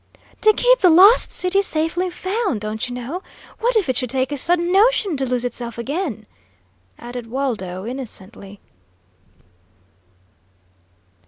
"To keep the Lost City safely found, don't you know? What if it should take a sudden notion to lose itself again?" added Waldo, innocently.